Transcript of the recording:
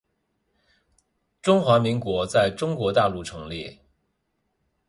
中华民国在中国大陆成立